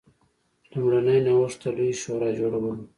لومړنی نوښت د لویې شورا جوړول و.